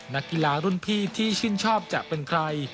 นักกีฬารุ่นพี่ที่ชื่นชอบจะเป็นใคร